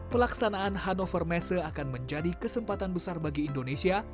pelaksanaan hannover messe akan menjadi kesempatan besar bagi indonesia